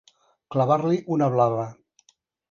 Clavar-li una blava.